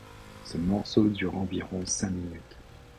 Ce morceau dure environ cinq minutes.